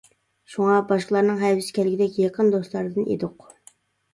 شۇڭا باشقىلارنىڭ ھەۋىسى كەلگۈدەك يېقىن دوستلاردىن ئىدۇق.